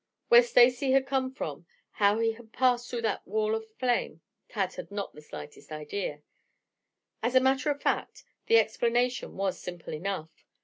Where Stacy had come from, how he had passed through that wall of flame, Tad had not the slightest idea. As a matter of fact the explanation was simple enough.